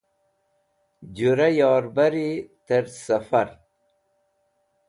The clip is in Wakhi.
Jũra yorbari tẽr sẽfar.